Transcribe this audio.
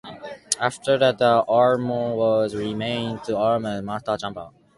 After that, the Armoury was renamed into the Arms and Master Chamber.